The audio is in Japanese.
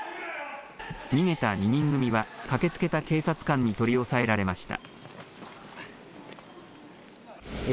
逃げた２人組は駆けつけた警察官に取り押さえられました。